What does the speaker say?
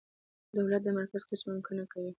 د دولت د مرکزیت کچه ممکنه کوي.